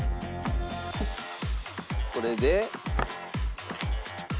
「これで」